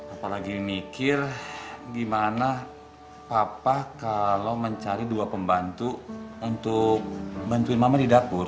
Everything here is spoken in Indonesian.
apalagi mikir gimana papa kalau mencari dua pembantu untuk bantuin mama di dapur